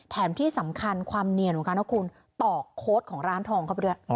แถมที่สำคัญความเนียนของเขานะคุณตอกโค้ดของร้านทองเข้าไปด้วย